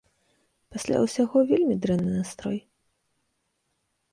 Пасля ўсяго вельмі дрэнны настрой.